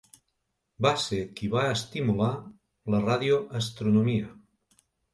Va ser qui va estimular la radioastronomia.